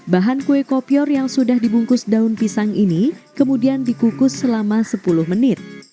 bahan kue kopior yang sudah dibungkus daun pisang ini kemudian dikukus selama sepuluh menit